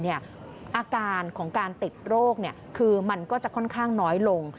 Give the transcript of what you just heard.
อาการของการติดโรคคือมันก็จะค่อนข้างน้อยลง